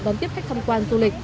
đón tiếp khách tham quan du lịch